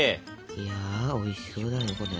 いやおいしそうだねこれ。